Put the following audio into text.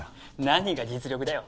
何が実力だよ。